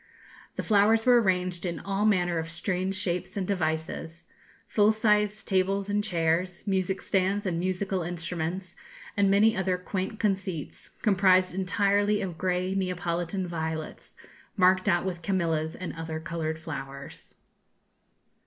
The flowers were arranged in all manner of strange shapes and devices full sized tables and chairs, music stands, and musical instruments, and many other quaint conceits, composed entirely of grey Neapolitan violets, marked out with camellias and other coloured flowers.